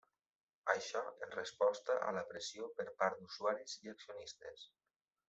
Això en resposta a la pressió per part d'usuaris i accionistes.